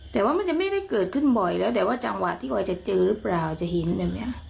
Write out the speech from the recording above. แต่ว่ามันจะไม่ได้เกิดขึ้นบ่อยแล้วแต่ว่าจังหวะที่กว่าจะเจอหรือเปล่าจะเห็นแบบนี้